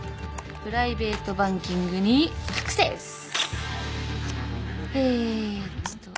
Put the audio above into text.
プライベートバンキングにアクセス！